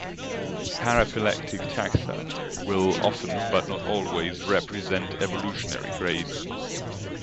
Paraphyletic taxa will often, but not always, represent evolutionary grades.